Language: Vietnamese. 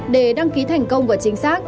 để đăng ký thành công và chính xác